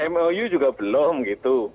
mou juga belum gitu